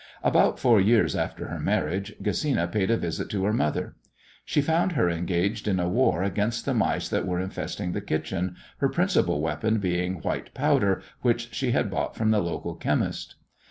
About four years after her marriage Gesina paid a visit to her mother. She found her engaged in a war against the mice that were infesting the kitchen, her principal weapon being white powder which she had bought from the local chemist.